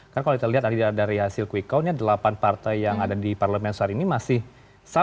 karena kalau kita lihat dari hasil quick count delapan partai yang ada di parlemen saat ini masih berada di situ situ saja